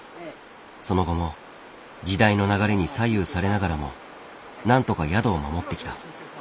その後も時代の流れに左右されながらもなんとか宿を守ってきた。